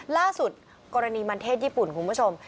ล่าสุดกรณีมันเทศญี่ปุ่นคุณผู้ชม